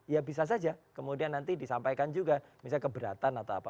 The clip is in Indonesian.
ya bisa saja kemudian nanti disampaikan juga misalnya keberatan atau apa